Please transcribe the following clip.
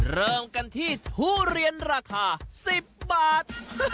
เริ่มกันที่ทุเรียนราคา๑๐บาท